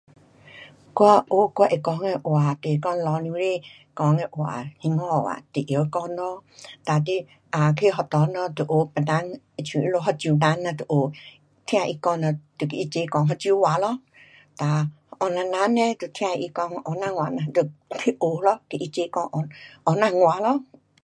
我学我会讲的话，就是讲老父母亲讲的话，兴华话就会晓讲咯，哒你，啊，去学堂咯就学别人好像他们福州人咱就学听他讲了就跟他们讲福州话咯。哒福建人呢，就听他讲福建话咱就去学咯，跟他齐讲福建话咯。